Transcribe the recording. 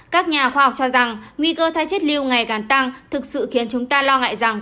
các nhà khoa học cho rằng nguy cơ thái chất lưu ngày càng tăng thực sự khiến chúng ta lo ngại rằng